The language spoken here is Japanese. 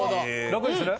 ６にする？